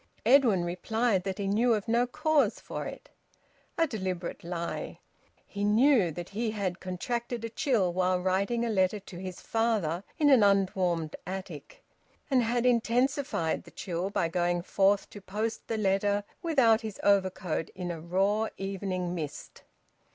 Edwin replied that he knew of no cause for it. A deliberate lie! He knew that he had contracted a chill while writing a letter to his father in an unwarmed attic, and had intensified the chill by going forth to post the letter without his overcoat in a raw evening mist.